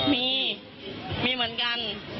มีมีเหมือนกัน